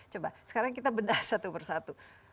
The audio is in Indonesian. coba sekarang kita bedah satu persatu